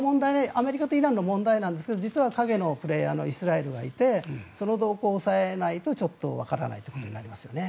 アメリカとイランの問題ですが実は影のプレーヤーのイスラエルがいてその動向を押さえないとちょっとわからないということになりますよね。